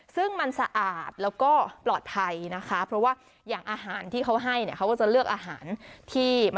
ซึ่งมันสะอาดแล้วก็ปลอดทัยนะคะเพราะว่าอย่างอาหารที่เขาให้